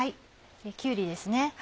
きゅうりですね。